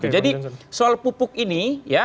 jadi soal pupuk ini